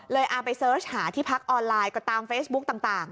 ไปเสิร์ชหาที่พักออนไลน์ก็ตามเฟซบุ๊กต่าง